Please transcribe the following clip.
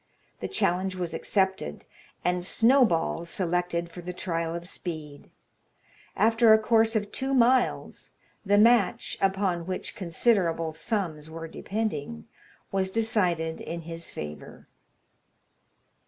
The challenge was accepted, and Snowball selected for the trial of speed; after a course of two miles, the match (upon which considerable sums were depending) was decided in his favour.